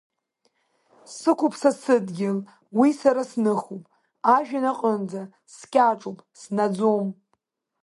Сықәуп са сыдгьыл уи сара сныхоуп, ажәҩан аҟынӡа, скьаҿуп, снаӡом.